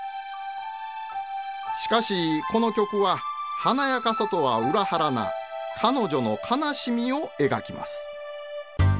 しかしこの曲は華やかさとは裏腹な彼女の悲しみを描きます。